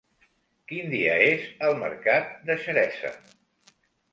Quin dia és el mercat de Xeresa?